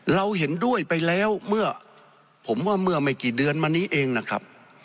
เราเห็นด้วยไปแล้วเมื่อผมว่าเมื่อไม่กี่เดือนมานี้เองนะครับ